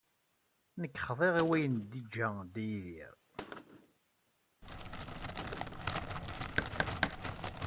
Nekk xḍiɣ i wayen ay iga Dda Yidir.